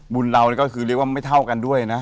บุญเรานี่ก็คือเรียกว่าไม่เท่ากันด้วยนะ